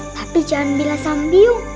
tapi jangan bila sambiu